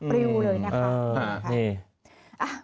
ปริวเลยนะครับ